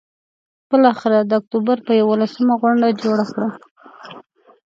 بالآخره د اکتوبر پر یوولسمه غونډه جوړه کړه.